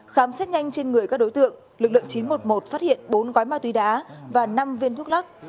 khám xét nhanh trên người các đối tượng lực lượng chín trăm một mươi một phát hiện bốn gói ma túy đá và năm viên thuốc lắc